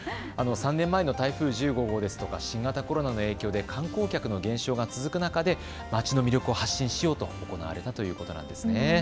３年前の台風１５号ですとか新型コロナの影響で観光客の減少が続く中で、町の魅力を発信しようと行われたということです。